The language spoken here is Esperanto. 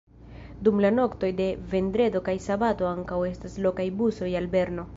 Dum la noktoj de vendredo kaj sabato ankaŭ estas lokaj busoj al Berno.